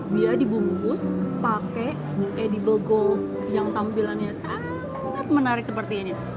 dia dibungkus pakai edible goal yang tampilannya sangat menarik seperti ini